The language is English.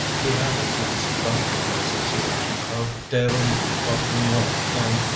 He had at last founded the association of Desrumaux, Fauquenoix and Co.